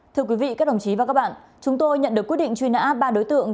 thưa quý vị các đồng chí và các bạn chúng tôi nhận được quyết định truy nã ba đối tượng